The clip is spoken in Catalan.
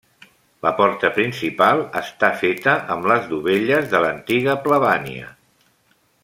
La porta principal està feta amb les dovelles de l'antiga Plebania.